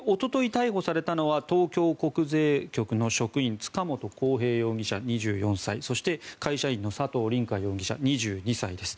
逮捕されたのは東京国税局の職員塚本晃平容疑者、２４歳そして会社員の佐藤凛果容疑者２２歳です。